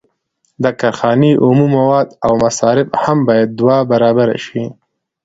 د کارخانې اومه مواد او مصارف هم باید دوه برابره شي